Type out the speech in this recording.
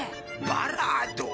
バラード？